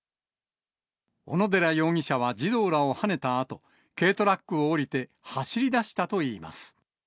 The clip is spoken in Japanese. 小野寺容疑者は児童らをはねたあと、軽トラックを降りて走り出したといいます。